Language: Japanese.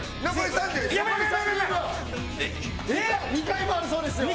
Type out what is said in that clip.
２階もあるそうですよ。